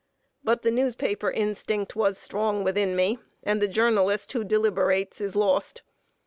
But the newspaper instinct was strong within me, and the journalist who deliberates is lost.